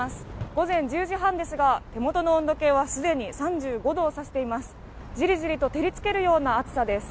午前１０時半ですが手元の温度計は既に３５度を指しています。